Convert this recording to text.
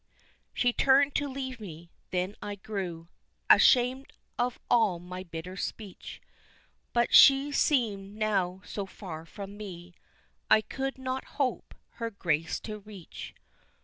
She turned to leave me, then I grew Ashamed of all my bitter speech, But she seemed now so far from me, I could not hope her grace to reach.